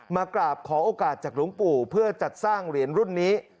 มากราบขอโอกาสจากหลวงปู่เพื่อจัดสร้างเหรียญรุ่นนี้